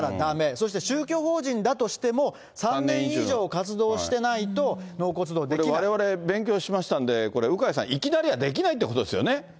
そして宗教法人だとしても、３年以上活動してないと、納これ、われわれ勉強しましたんで、これ、鵜飼さん、いきなりはできないということですよね。